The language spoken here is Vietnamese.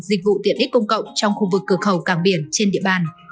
dịch vụ tiện ích công cộng trong khu vực cửa khẩu cảng biển trên địa bàn